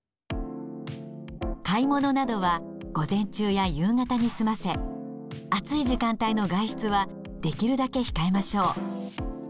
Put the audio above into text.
買い物などは午前中や夕方に済ませ暑い時間帯の外出はできるだけ控えましょう。